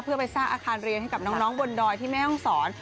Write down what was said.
เพื่อไปสร้างอาคารเรียนให้กับน้องบนดอยที่แม่ห้องศร